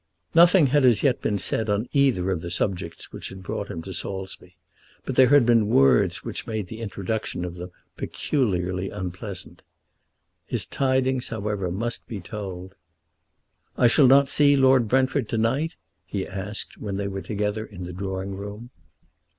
Nothing had as yet been said on either of the subjects which had brought him to Saulsby, but there had been words which made the introduction of them peculiarly unpleasant. His tidings, however, must be told. "I shall not see Lord Brentford to night?" he asked, when they were together in the drawing room.